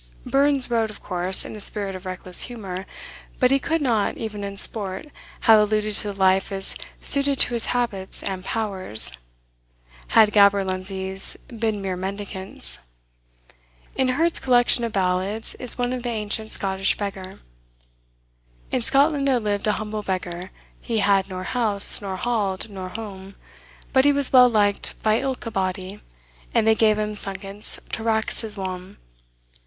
Burns wrote, of course, in a spirit of reckless humour; but he could not, even in sport, have alluded to the life as "suited to his habits and powers," had gaberlunzies been mere mendicants. In Herd's collection of Ballads is one on the ancient Scottish beggar: In Scotland there lived a humble beggar, He had nor house, nor hald, nor hame; But he was well liked by ilk a body, And they gave him sunkets to rax his wame.